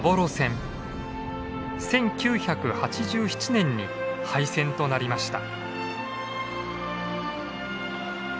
１９８７年に廃線となりました。